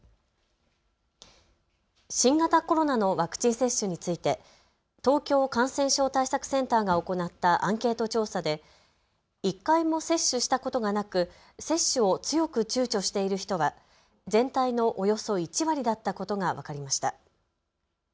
新型コロナのワクチン接種について東京感染症対策センターが行ったアンケート調査で１回も接種したことがなく接種を強くちゅうちょしている人は全体のおよそ１割だったことが分かりました。